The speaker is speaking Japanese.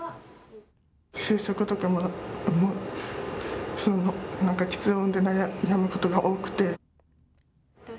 就職とかもなんかきつ音で悩むことが多くて。